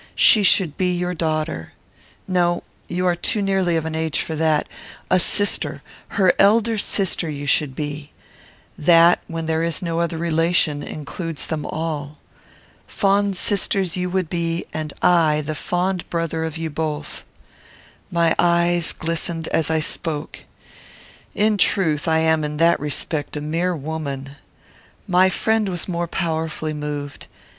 She should be your daughter. No you are too nearly of an age for that. A sister; her elder sister, you should be. That, when there is no other relation, includes them all. Fond sisters you would be, and I the fond brother of you both." My eyes glistened as I spoke. In truth, I am in that respect a mere woman. My friend was more powerfully moved.